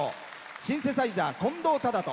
シンセサイザー、近藤斉人。